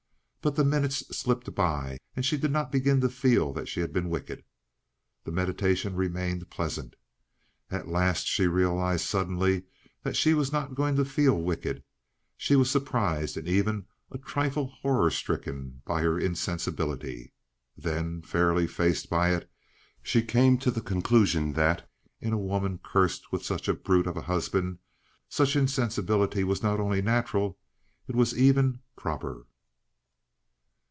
But the minutes slipped by, and she did not begin to feel that she had been wicked. The meditation remained pleasant. At last she realized suddenly that she was not going to feel wicked. She was surprised and even a trifle horror stricken by her insensibility. Then, fairly faced by it, she came to the conclusion that, in a woman cursed with such a brute of a husband, such insensibility was not only natural, it was even proper.